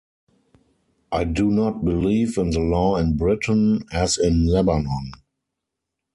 I do not believe in the law in Britain as in Lebanon.